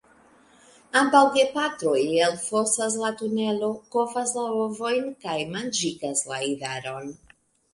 Ambaŭ gepatroj elfosas la tunelo, kovas la ovojn kaj manĝigas la idaron.